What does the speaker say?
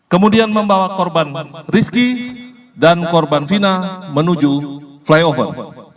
kemudian membawa korban rizki dan korban fina menuju flyover